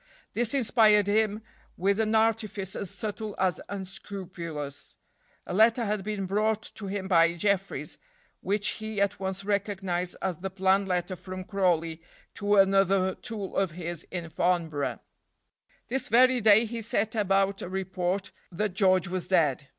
This inspired him with an artifice as subtle as unscrupulous. A letter had been brought to him by Jefferies, which he at once recognized as the planned letter from Crawley to another tool of his in Farnborough. This very day he set about a report that George was dead.